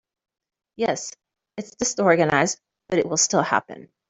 Yes, it’s disorganized but it will still happen.